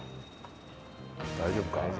大丈夫か？